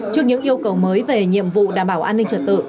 trước những yêu cầu mới về nhiệm vụ đảm bảo an ninh trật tự